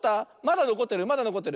まだのこってる！